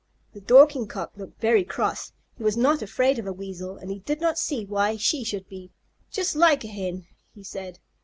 The Dorking Cock looked very cross. He was not afraid of a Weasel, and he did not see why she should be. "Just like a Hen!" he said.